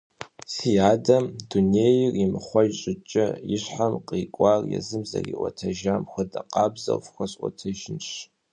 Си адэм, дунейр имыхъуэж щӏыкӏэ, и щхьэм кърикӀуар езым зэриӀуэтэжам хуэдэ къабзэу фхуэсӀуэтэжынщ.